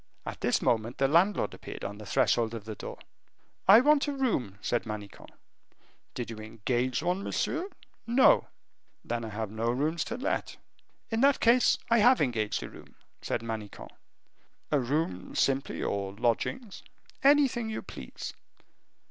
At this moment the landlord appeared on the threshold of the door. "I want a room," said Manicamp. "Did you engage one, monsieur?" "No." "Then I have no rooms to let." "In that case, I have engaged a room," said Manicamp. "A room simply, or lodgings?" "Anything you please."